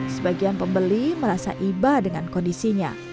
sebagian pembeli merasa iba dengan kondisinya